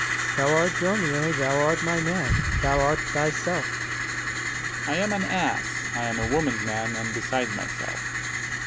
Ant. S. Thou art Dromio, thou art my man, thou art 75 thyself. Dro. S. I am an ass, I am a woman's man, and besides myself.